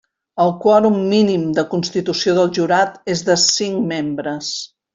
El quòrum mínim de constitució del jurat és de cinc membres.